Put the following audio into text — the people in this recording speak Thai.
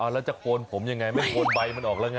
แล้วจะโกนผมยังไงไม่โกนใบมันออกแล้วไง